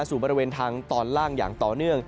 บริเวณทางตอนล่างอย่างต่อเนื่อง